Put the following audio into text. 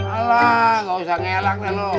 alah gak usah ngelak deh lo